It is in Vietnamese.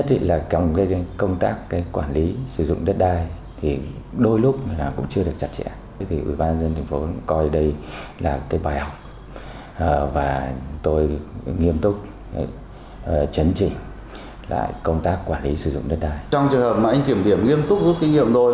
trong trường hợp mà anh kiểm điểm nghiêm túc rút kinh nghiệm rồi